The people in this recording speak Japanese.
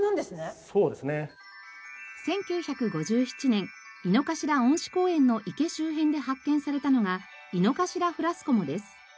１９５７年井の頭恩賜公園の池周辺で発見されたのがイノカシラフラスコモです。